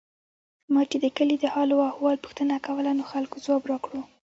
ما چې د کلي د حال او احوال پوښتنه کوله، نو خلکو ځواب راکړو.